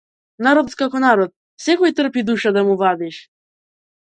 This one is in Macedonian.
Народот како народ секој трпи душа да му вадиш.